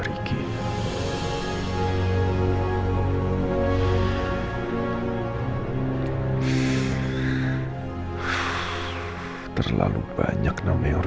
oke terima kasih dokter